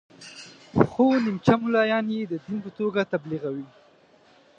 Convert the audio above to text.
خو نیمچه ملایان یې د دین په توګه تبلیغوي.